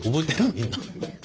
みんな。